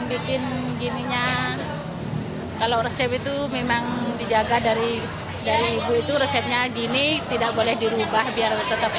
bikin gininya kalau resep itu memang dijaga dari dari ibu itu resepnya gini tidak boleh dirubah biar tetap